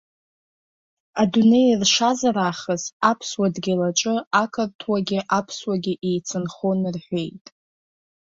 Адунеи ршазар аахыс аԥсуа дгьыл аҿы ақырҭуагьы аԥсуагьы еицынхон рҳәеит.